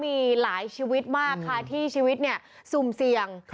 มีหลายชีวิตมากค่ะที่ชีวิตเนี่ยสุ่มเสี่ยง